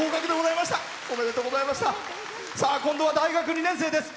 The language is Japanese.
今度は大学２年生です。